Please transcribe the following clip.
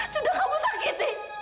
sudah kamu sakiti